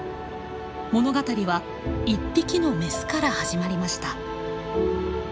物語は１匹のメスから始まりました。